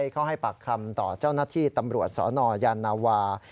เข้าให้ปากคำต่อเจ้าหน้าที่ตำรวจสนยานาวา